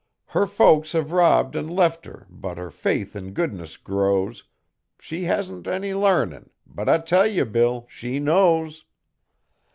Her folks hev robbed an' left her but her faith in goodness grows, She hasn't any larnin', but I tell ye Bill, she knows!